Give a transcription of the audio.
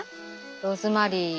ローズマリー。